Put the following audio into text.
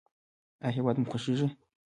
ایا هیواد مو خوښیږي؟